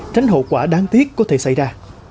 tránh hậu quả đáng tiếc có thể xảy ra